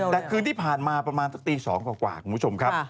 แต่คืนที่ผ่านมาประมาณสักตี๒กว่าคุณผู้ชมครับ